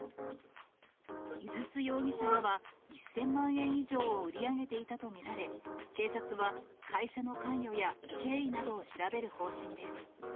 井筒容疑者らは１０００万円以上を売り上げていたと見られ、警察は会社の関与や経緯などを調べる方針です。